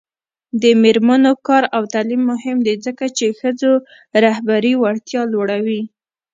د میرمنو کار او تعلیم مهم دی ځکه چې ښځو رهبري وړتیا لوړوي